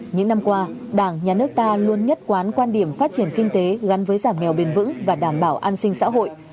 những năm qua đảng nhà nước ta luôn nhất quán quan điểm phát triển kinh tế gắn với giảm nghèo bền vững và đảm bảo an sinh xã hội